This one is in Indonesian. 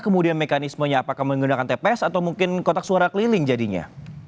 kemudian mekanismenya apakah menggunakan tps atau mungkin kotak suara keliling jadinya